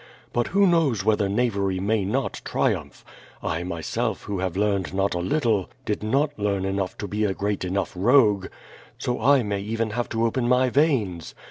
But who knows whether knavery may not triumph? I myself who have learned not a little, did not learn enough to be a great enough rogue. So I may even have to open my veins.